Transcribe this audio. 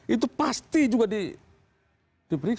itu pasti juga diperiksa